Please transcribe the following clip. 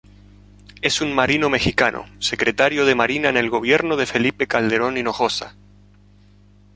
Es un marino mexicano, Secretario de Marina en el Gobierno de Felipe Calderón Hinojosa.